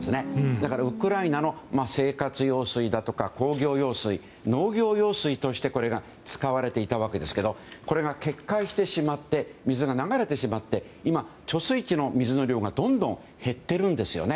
だから、ウクライナの生活用水や工業用水、農業用水としてこれが使われていたわけですけどこれが決壊してしまって水が流れてしまって今、貯水池の水の量がどんどん減ってるんですよね。